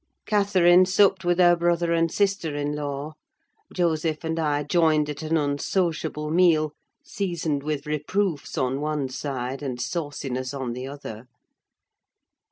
Catherine supped with her brother and sister in law: Joseph and I joined at an unsociable meal, seasoned with reproofs on one side and sauciness on the other.